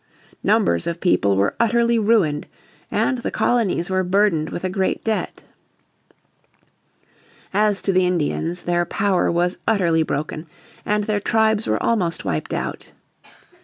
Numbers of people were utterly ruined and the colonies were burdened with a great debt. As to the Indians their power was utterly broken, and their tribes were almost wiped out.